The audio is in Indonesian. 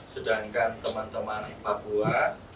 sedangkan teman teman papua